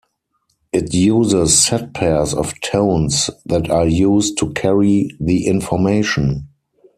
It uses set pairs of tones that are used to carry the information.